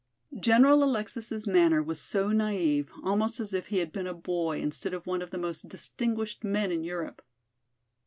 General Alexis' manner was so naïve, almost as if he had been a boy instead of one of the most distinguished men in Europe.